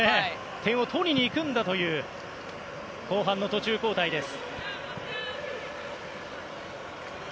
点を取りにいくんだという後半の途中交代です。